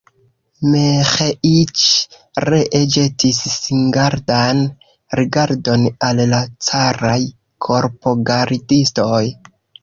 Miĥeiĉ ree ĵetis singardan rigardon al la caraj korpogardistoj.